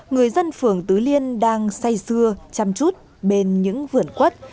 người dân phường tứ liên đang say xưa chăm chút bên những vườn quất